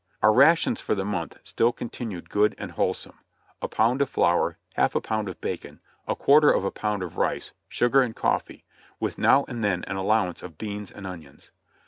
Our rations for the month still continued good and wholesome ; a pound of flour, half a pound of bacon, a quarter of a pound of rice, sugar and cofifee, with now and then an allowance of beans and onions.